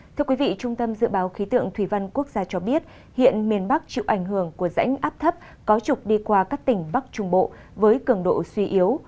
thưa quý vị trung tâm dự báo khí tượng thủy văn quốc gia cho biết hiện miền bắc chịu ảnh hưởng của rãnh áp thấp có trục đi qua các tỉnh bắc trung bộ với cường độ suy yếu